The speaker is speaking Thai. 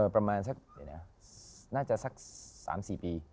ประมาณสักน่าจะสัก๓๔ปี